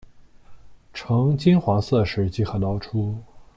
呈金黄色时即可捞出。